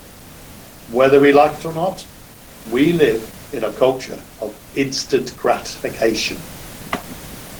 Whether we like it or not, we live in a culture of instant gratification.